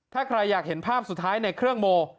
ถ้าใครอยากเห็นภาพสุดท้ายในเครื่องโม